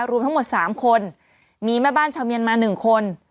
รวมทั้งหมด๓คนมีแม่บ้านชาวเมียนมา๑คน